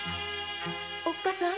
おっかさん？